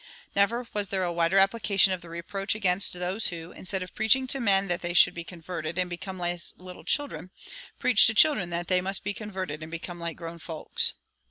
Never was there a wider application of the reproach against those who, instead of preaching to men that they should be converted and become as little children, preach to children that they must be converted and become like grown folks.